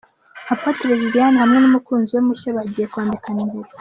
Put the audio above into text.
Apotre Liliane hamwe n'umukunzi we mushya bagiye kwambikana impeta.